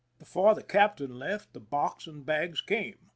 Before the captain left, the box and bags came.